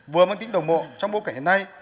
vừa mang tính đồng mộ trong bộ cảnh hình này